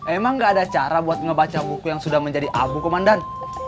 emang gak ada cara buat ngebaca buku yang sudah menjadi abu komandan